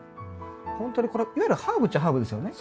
ほんとにこれいわゆるハーブっちゃハーブですよね。